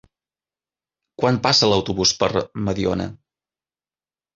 Quan passa l'autobús per Mediona?